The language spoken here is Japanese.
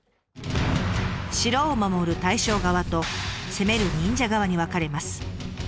城を守る大将側と攻める忍者側に分かれます。